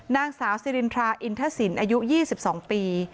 นางสาวสิรินทราอินทศิลป์อายุ๒๒ปี